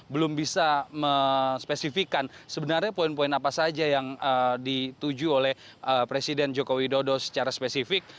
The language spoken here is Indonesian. belum bisa menspesifikan sebenarnya poin poin apa saja yang dituju oleh presiden joko widodo secara spesifik